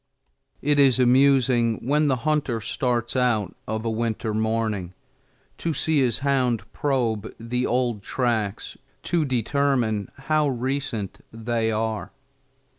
It is amusing when the hunter starts out of a winter morning to see his hound probe the old tracks to determine how recent they are.